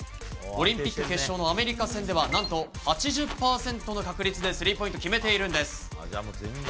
オリンピック決勝のアメリカ戦では何と８０％の確率でスリーポイントを決めているんです。